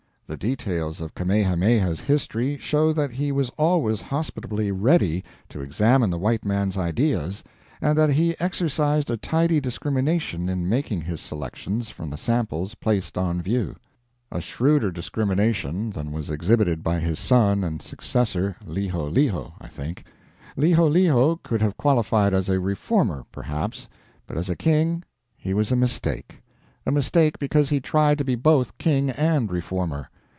The details of Kamehameha's history show that he was always hospitably ready to examine the white man's ideas, and that he exercised a tidy discrimination in making his selections from the samples placed on view. A shrewder discrimination than was exhibited by his son and successor, Liholiho, I think. Liholiho could have qualified as a reformer, perhaps, but as a king he was a mistake. A mistake because he tried to be both king and reformer.